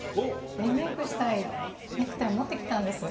リメイクしたいネクタイを持ってきたんです。